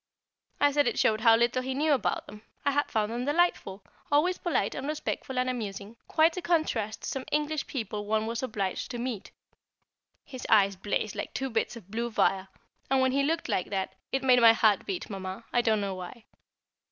I said it showed how little he knew about them, I had found them delightful, always polite and respectful and amusing, quite a contrast to some English people one was obliged to meet. His eyes blazed like two bits of blue fire, and when he looked like that, it made my heart beat, Mamma, I don't know why.